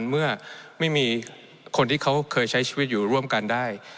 เมื่อไม่มีคนที่เขาเคยใช้ชีวิตอยู่ร่วมกันได้